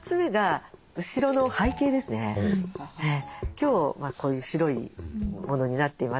今日はこういう白いものになっています。